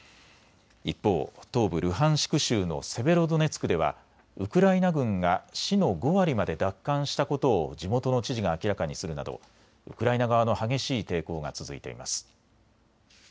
一方、東部ルハンシク州のセベロドネツクではウクライナ軍が市の５割まで奪還したことを地元の知事が明らかにするなどウクライナ側の激しい抵抗が続いています。